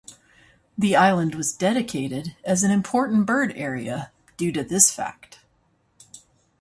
The island was dedicated as an Important Bird Area due to this fact.